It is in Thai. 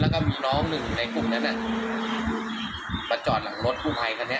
แล้วก็มีน้องหนึ่งในกลุ่มนั้นมาจอดหลังรถกู้ภัยคันนี้